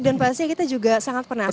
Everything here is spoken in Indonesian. dan pasti kita juga sangat penasaran